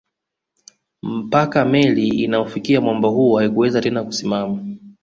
Mpaka meli inaufikia mwamba huo haikuweza tena kusimama